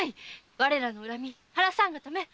我らの恨み晴らさんがため！